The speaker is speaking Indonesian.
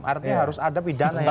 artinya harus ada pidana yang di dalam